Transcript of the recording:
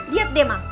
lihat deh mak